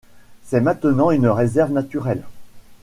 C'est maintenant une réserve naturelle.